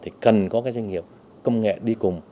thì cần có cái doanh nghiệp công nghệ đi cùng